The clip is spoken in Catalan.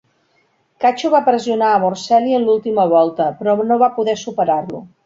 Cacho va pressionar a Morceli en l'última volta, però no va poder superar-lo.